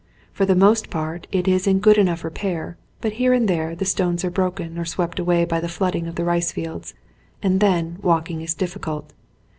For the most part it is in good enough repair, but here and there the stones are broken or swept away by the flooding of the rice fields, and then walking is difficult.